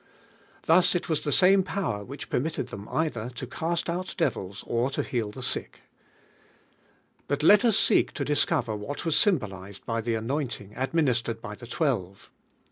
Thus it was the same power which permitted them either to cast out devils or to heal the sick. Bui let us seek to discover what was symbolised by Ihe anointing admin istered by Ihe twelve.